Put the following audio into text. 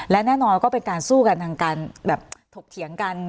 และแน่นอนก็เป็นการสู้กันทางการแบบถกเถียงกัน